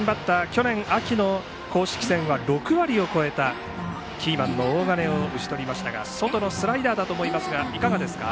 去年秋の公式戦は６割を超えたキーマンの大金を打ち取りましたが外のスライダーだと思いますがいかがですか？